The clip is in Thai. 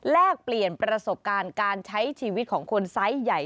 แลกเปลี่ยนประสบการณ์การใช้ชีวิตของคนไซส์ใหญ่